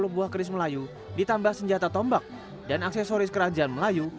satu ratus lima puluh buah keris melayu ditambah senjata tombak dan aksesoris kerajaan melayu